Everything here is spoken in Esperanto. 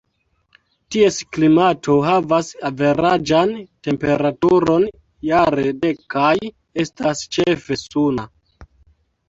Ties klimato havas averaĝan temperaturon jare de kaj estas ĉefe suna.